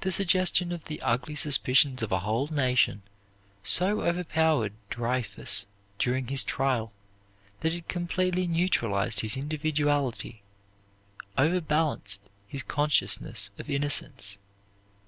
The suggestion of the ugly suspicions of a whole nation so overpowered Dreyfus during his trial that it completely neutralized his individuality, overbalanced his consciousness of innocence.